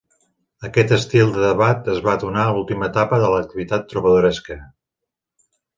Aquest estil de debat es va donar a l'última etapa de l'activitat trobadoresca.